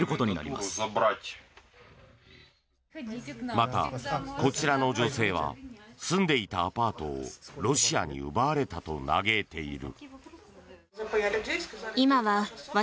また、こちらの女性は住んでいたアパートをロシアに奪われたと嘆いている。